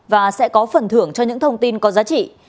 và sẽ có phần thưởng cho những thông tin có giá trị